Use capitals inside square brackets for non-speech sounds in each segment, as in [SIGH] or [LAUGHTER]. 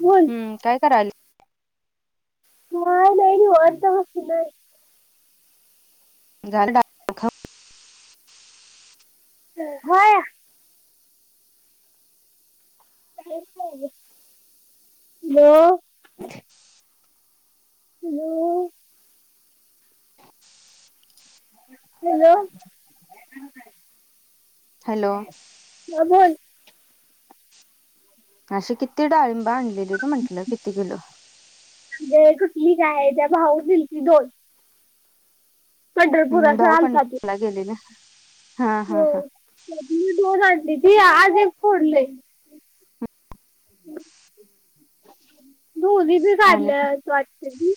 बोल हूं काय करायल नाहीय नाही र वार्ता बती नाही. [UNINTELLIGIBLE] होय. Hello hello. हॅलो. हॅलो हां बोल. अशी किती डाळिंब आणलेलीत म्हंटलं किती किलो? म्हणजे कुठली काय त्या भाऊनी दिलती दोन. हं पंढरपुराचं भाऊ पंढरपूरला गेलेलं. हो, त्यातली दोन आणलीती आज एक फोडलंय. दोन्हीं बी आणि का काढल्यात वाडतं बी.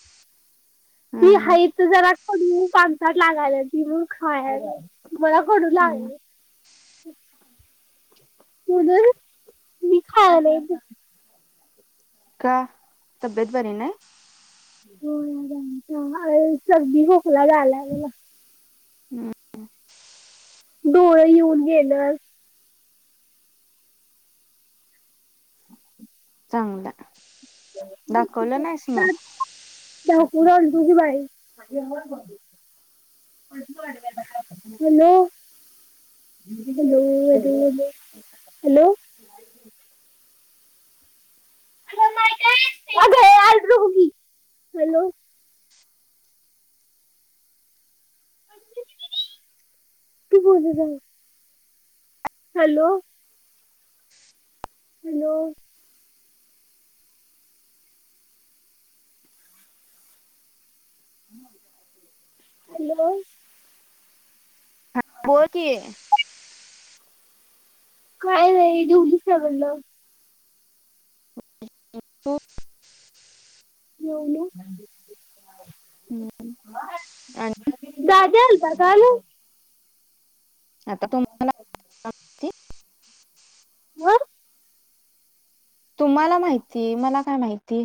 ती हम्म हाईत जरा पानसाठ लागायल्याती म्हणून खायालोय. मला कडू हम्म. लागलं. म्हणून मी खायालोय हीजं. का तब्येत बरी नाही. हं.. होय सरदी-खोकला झालाय मला. ह... डोळं येऊन गेलत. चांगलाय, दाखवलं नाहीस मग. दात दाखवून आलतो की बाई. हॅलो. हॅलो हॅलो हॅलो अगं ये आणू नको की, हॅलो. तू बोलू नको. Hello..... hello. हॅलो. बोल की. काय नाही, जेवलीस का म्हणलं? [UNINTELLIGIBLE] येेऊन गाजल. हम्म, आणि कशाला? आता तुम- घर तुम्हाला माहिती, मला काय माहिती.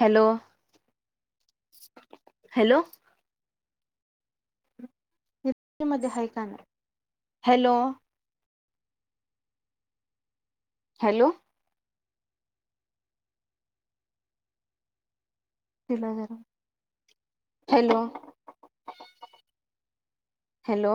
हॅलो. हॅलो. इतकी मध्ये हाय का नाही. हॅलो. हॅलो. तिला जरा. हॅलो. हॅलो.